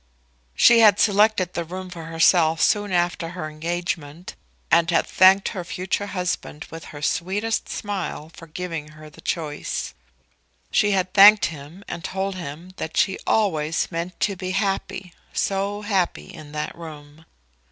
She had selected the room for herself soon after her engagement, and had thanked her future husband with her sweetest smile for giving her the choice. She had thanked him and told him that she always meant to be happy, so happy in that room!